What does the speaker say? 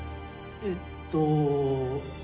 えっと。